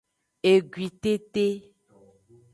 Egwitete.